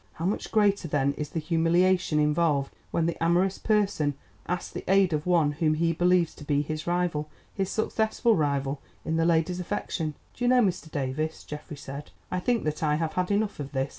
How much greater, then, is the humiliation involved when the amorous person asks the aid of one whom he believes to be his rival—his successful rival—in the lady's affection? "Do you know, Mr. Davies," Geoffrey said, "I think that I have had enough of this.